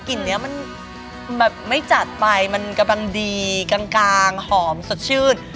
กลิ่นนี้มันแบบไม่จัดไปมันกำลังดีกลางหอมสดชื่น